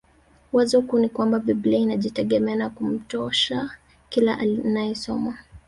Wazo kuu ni kwamba biblia inajitegemea na kumtosha kila anayesoma